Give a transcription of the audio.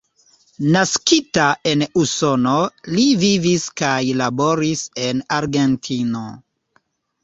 Naskita en Usono, li vivis kaj laboris en Argentino.